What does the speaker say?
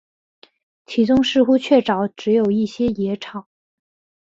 其中似乎确凿只有一些野草